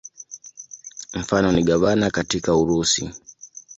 Mfano ni gavana katika Urusi.